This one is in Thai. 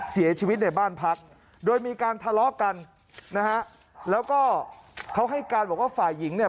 เสียชีวิตในบ้านพักโดยมีการทะเลาะกันนะฮะแล้วก็เขาให้การบอกว่าฝ่ายหญิงเนี่ย